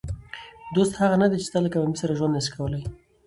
دوست هغه نه دئ، چي ستا له کامیابۍ سره ژوند نسي کولای.